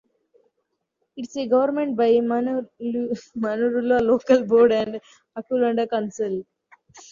It is governed by the Manurewa Local Board and Auckland Council.